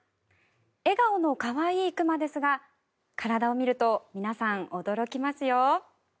笑顔の可愛い熊ですが体を見ると皆さん、驚きますよ。